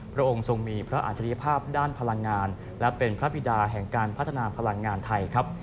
พระองค์ทรงมีพระอัจฉริยภาพด้านพลังงานและเป็นพระบิดาแห่งการพัฒนาพลังงานไทยครับ